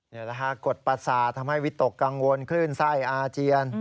นี่แหละฮะกดประสาททำให้วิตกกังวลคลื่นไส้อาเจียน